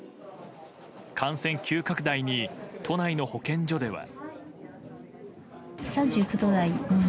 感染急拡大に都内の保健所では。